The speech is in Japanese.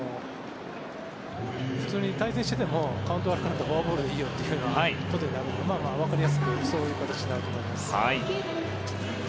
普通に対戦しててもカウント悪くなってフォアボールでいいよというまあまあ、わかりやすくそういう形になると思います。